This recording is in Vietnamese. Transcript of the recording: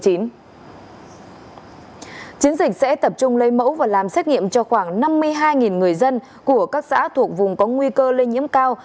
chiến dịch sẽ tập trung lấy mẫu và làm xét nghiệm cho khoảng năm mươi hai người dân của các xã thuộc vùng có nguy cơ lây nhiễm cao